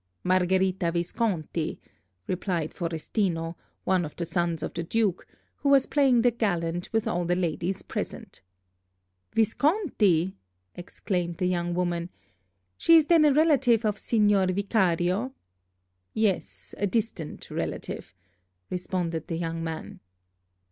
"Margherita Visconti," replied Forestino, one of the sons of the Duke, who was playing the gallant with all the ladies present. "Visconti!" exclaimed the young woman. "She is then a relative of Signor Vicario?" "Yes, a distant relative," responded the young man.